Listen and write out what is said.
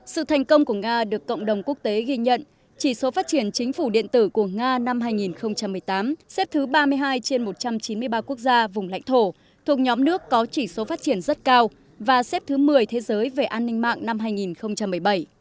sự thành công của nga được cộng đồng quốc tế ghi nhận chỉ số phát triển chính phủ điện tử của nga năm hai nghìn một mươi tám xếp thứ ba mươi hai trên một trăm chín mươi ba quốc gia vùng lãnh thổ thuộc nhóm nước có chỉ số phát triển rất cao và xếp thứ một mươi thế giới về an ninh mạng năm hai nghìn một mươi bảy